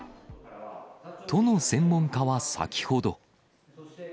都の専門家は先ほど。